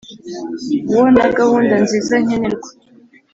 Wo na gahunda nziza nkenerwa